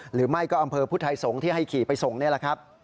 หรือไม่ก็อำเภอพุทธไทยสงฆ์ที่ให้ขี่ไปส่งนี่แหละครับ